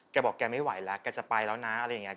แกบอกแกไม่ไหวแล้วแกจะไปแล้วนะอะไรอย่างนี้